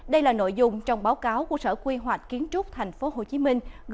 đây là nội dung trong báo cáo của sở quy hoạch kiến trúc tp hcm